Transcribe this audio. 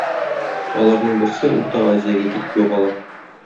Аларның берсе Урта Азиягә китеп югала.